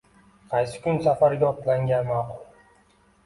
Qaysi kuni safarga otlangan maʼqul?